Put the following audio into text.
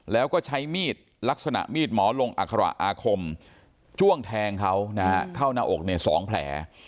แล้วก็ใช้มีดลักษณะมีดหมอลงอัคระอาคมจ้วงแทงเขานะฮะเข้าหน้าอก๒แผล